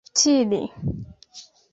tiri